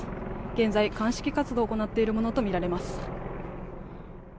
現在、鑑識作業を行っているものとみられます。